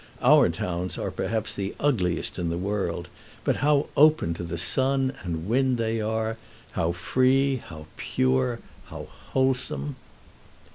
Our towns are perhaps the ugliest in the world, but how open to the sun and wind they are! how free, how pure, how wholesome!